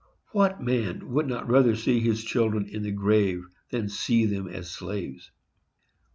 What man would not rather see his children in the grave than see them slaves?